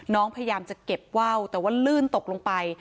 พยายามจะเก็บว่าวแต่ว่าลื่นตกลงไป